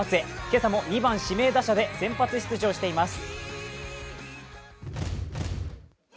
今朝も２番・指名打者で先発出場しています。